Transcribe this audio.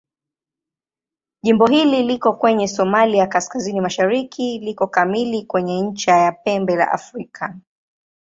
Jimbo hili liko kwenye Somalia kaskazini-mashariki liko kamili kwenye ncha ya Pembe la Afrika.